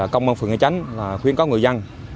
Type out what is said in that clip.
công an phường nghĩa chánh khuyên các người dân